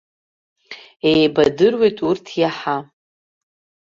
Еибадыруеит урҭ иаҳа.